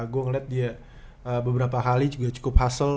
gue ngeliat dia beberapa kali juga cukup hussel